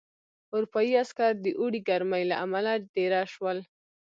اروپايي عسکر د اوړي ګرمۍ له امله دېره شول.